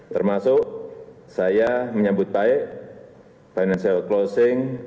termasuk saya menyambut baik financial closing